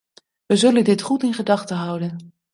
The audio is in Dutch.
We zullen dit goed in gedachte houden.